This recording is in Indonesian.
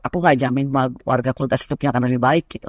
aku nggak jamin warga kulit asli punya keamanan yang baik